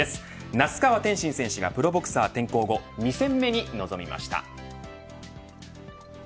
那須川天心選手がプロボクサー転向後２戦目に臨みました。